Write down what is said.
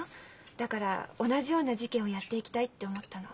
だから同じような事件をやっていきたいって思ったの。